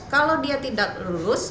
kalau dia tidak lulus